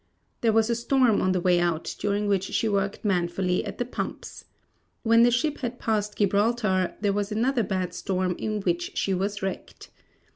There was a storm on the way out, during which she worked manfully at the pumps. When the ship had passed Gibraltar there was another bad storm in which she was wrecked.